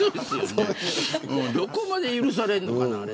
どこまで許されるのかなあれ。